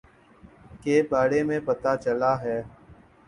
کے بارے میں پتا چلا ہے